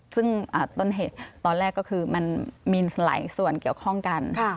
ซึ่งต้นเหตุตอนแรกก็คือมันมีหลายส่วนเกี่ยวข้องกัน